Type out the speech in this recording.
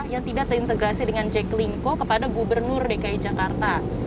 yang tidak terintegrasi dengan jaklingko kepada gubernur dki jakarta